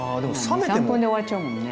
２３分で終わっちゃうもんね。